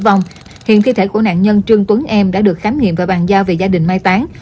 tử vong hiện thi thể của nạn nhân trương tuấn em đã được khám nghiệm và bàn giao về gia đình mai tán